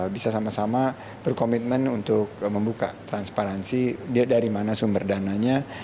bisa sama sama berkomitmen untuk membuka transparansi dari mana sumber dananya